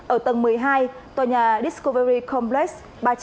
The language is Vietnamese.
ở tầng một mươi hai tòa nhà discovery complex